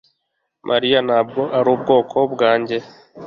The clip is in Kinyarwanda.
Mariya ntabwo arubwoko bwanjye